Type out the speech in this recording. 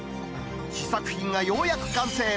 試作品がようやく完成。